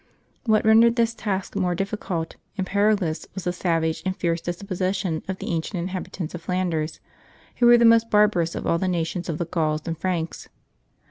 What rendered this task more difficult and perilous was the savage and fierce dis position of the ancient inhabitants of Flanders, who were the most barbarous of all the nations of the Gauls and Franks.